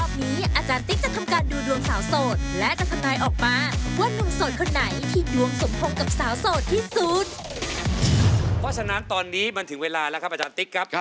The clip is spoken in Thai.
เพราะฉะนั้นตอนนี้มันถึงเวลาแล้วครับอาจารย์ติ๊กครับ